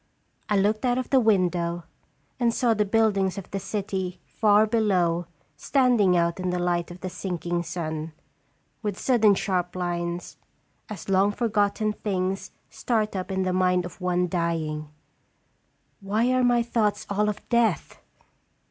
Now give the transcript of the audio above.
I looked out of the window, and saw the buildings of the city far below stand out in the light of the sinking sun, with sudden sharp lines, as long forgotten things start up in the mind of one dying. Why were my thoughts all of death?